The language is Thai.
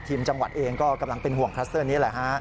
ทีมจังหวัดเองก็กำลังเป็นห่วงคลัสเตอร์นี้แหละฮะ